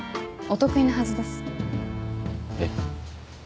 お得意なはずです。え？